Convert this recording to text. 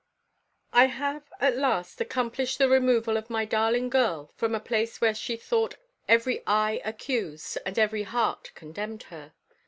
I have, at last, accomplished the removal of my darling girl from a place where she thought every eye accused and every heart condemned her.